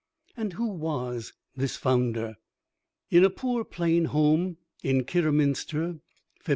] And who was this founder? In a poor, plain home in Kidderminster, Feb.